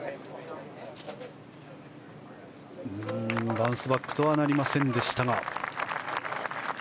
バウンスバックとはなりませんでしたが。